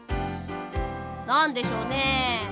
なんでしょうね。